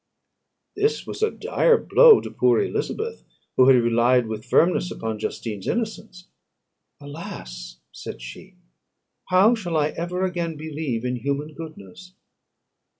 This was a dire blow to poor Elizabeth, who had relied with firmness upon Justine's innocence. "Alas!" said she, "how shall I ever again believe in human goodness?